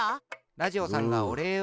ラジオさんがおれいを。